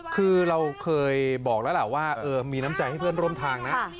คือเราเคยบอกแล้วล่ะว่ามีน้ำใจให้เพื่อนร่วมทางนะ